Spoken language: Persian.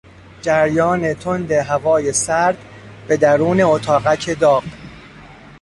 جریان تند هوای سرد به درون اتاقک داغ